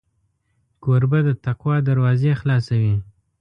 کوربه د تقوا دروازې خلاصوي.